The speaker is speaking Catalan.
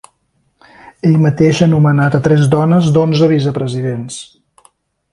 Ell mateix ha nomenat a tres dones d’onze vicepresidents.